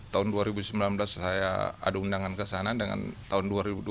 tahun dua ribu sembilan belas saya ada undangan ke sana dengan tahun dua ribu dua puluh